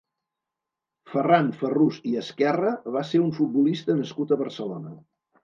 Ferran Ferrús i Ezquerra va ser un futbolista nascut a Barcelona.